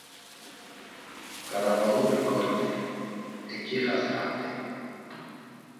Ǩarabaluği kort̆ey, eǩixaziramt̆ey.